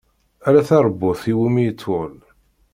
Ala taṛbut iwumi itwel.